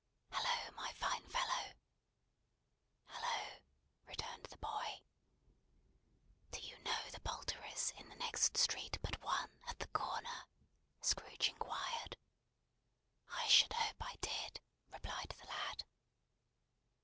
Hallo, my fine fellow!" "Hallo!" returned the boy. "Do you know the Poulterer's, in the next street but one, at the corner?" Scrooge inquired. "I should hope I did," replied the lad.